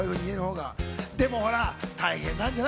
でもほら、大変なんじゃない？